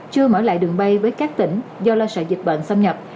chưa mở lại đường bay với các tỉnh do lo sợ dịch bệnh xâm nhập